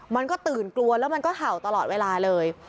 มันก็ตื่นกลัวแล้วมันก็เห่าตลอดเวลาเลย